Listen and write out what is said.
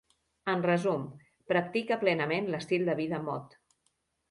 En resum, practica plenament l'estil de vida mod.